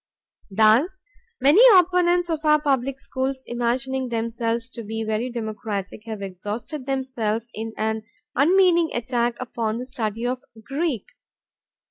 Thus many opponents of our public schools, imagining themselves to be very democratic, have exhausted themselves in an unmeaning attack upon the study of Greek.